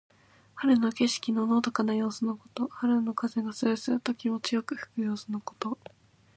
春の景色ののどかな様子のこと。春の風がそよそよと気持ちよく吹く様子のこと。